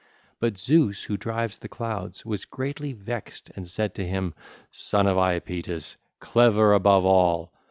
But Zeus who drives the clouds was greatly vexed and said to him: (ll. 559 560) 'Son of Iapetus, clever above all!